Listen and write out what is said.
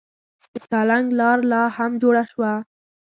د سالنګ لار لا هم جوړه نه شوه.